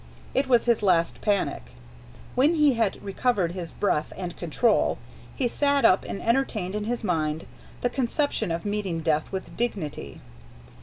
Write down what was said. It was his last panic. When he had recovered his breath and control, he sat up and entertained in his mind the conception of meeting death with dignity.